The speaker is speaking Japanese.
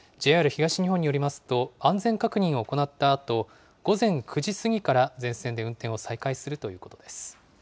ＪＲ東日本によりますと、安全確認を行ったあと、午前９時過ぎから全線で運転を再開するということです。